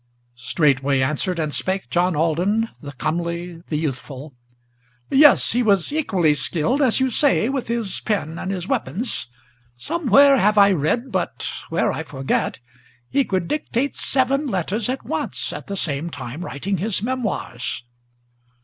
Straightway answered and spake John Alden, the comely, the youthful: "Yes, he was equally skilled, as you say, with his pen and his weapons. Somewhere have I read, but where I forget, he could dictate Seven letters at once, at the same time writing his memoirs."